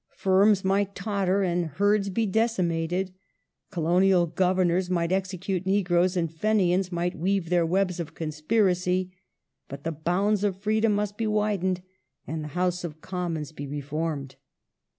Firms might totter and ^^^^^ herds be decimated. Colonial Governoi s might execute negroes and Fenians might weave their webs of conspiracy, but the bounds of freedom must be widened and the House of Commons be reformed.